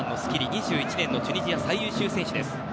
２０２１年のチュニジア最優秀選手です。